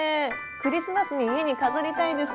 クリスマスに家に飾りたいです。